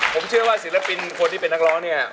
ผมเชื่อว่าศิลปินคนที่เป็นนักร้องเนี่ย